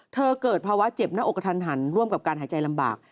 เกิดภาวะเจ็บหน้าอกกระทันหันร่วมกับการหายใจลำบาก